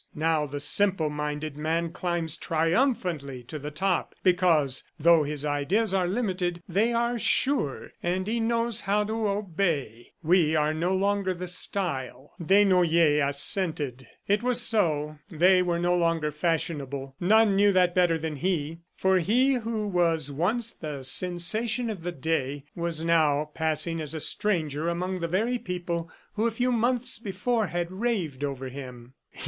... Now the simple minded man climbs triumphantly to the top, because, though his ideas are limited, they are sure and he knows how to obey. We are no longer the style." Desnoyers assented. It was so; they were no longer fashionable. None knew that better than he, for he who was once the sensation of the day, was now passing as a stranger among the very people who a few months before had raved over him.